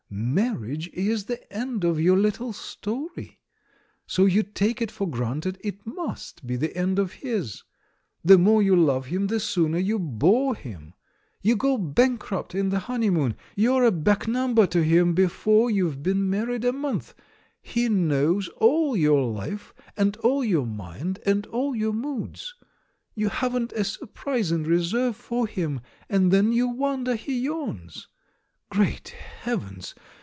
Marriage is the end of your Httle story, so you take it for granted it must be the end of his. The more you love him, the sooner you bore him. You go bankrupt in the honeymoon — you're a back number to him before you've been married a month — he knows all your life, and all your mind, and all your moods. You haven't a surprise in reserve for him — and then you wonder he yawns. Great heavens!